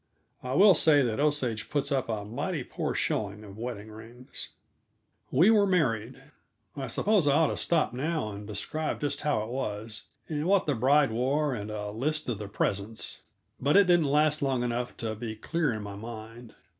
I will say that Osage puts up a mighty poor showing of wedding rings. We were married. I suppose I ought to stop now and describe just how it was, and what the bride wore, and a list of the presents. But it didn't last long enough to be clear in my mind.